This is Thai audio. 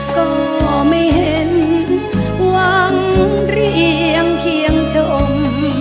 ก็ไม่เห็นหวังเรียงเคียงชม